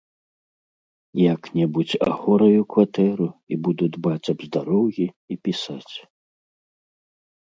Як-небудзь агораю кватэру і буду дбаць аб здароўі і пісаць.